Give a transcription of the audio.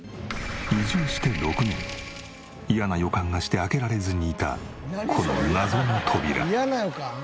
移住して６年嫌な予感がして開けられずにいたこの謎の扉。